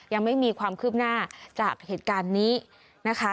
ยังไม่มีความคืบหน้าจากเหตุการณ์นี้นะคะ